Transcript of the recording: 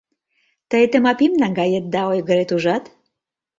Тый Тымапим наҥгаят да ойгырет, ужат?